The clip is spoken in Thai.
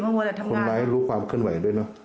เหมือนว่าจะทำงานคนร้ายรู้ความขึ้นไหวด้วยเนอะ